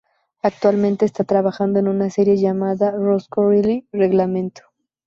Actualmente está trabajando en una serie llamada "Roscoe Riley Reglamento".